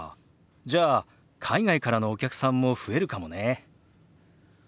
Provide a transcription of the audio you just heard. じゃあ海外からのお客さんも増えるかもね。